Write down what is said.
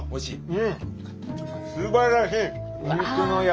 うん。